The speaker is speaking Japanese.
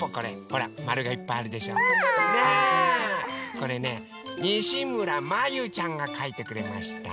これねにしむらまゆちゃんがかいてくれました。